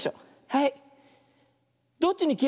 はい。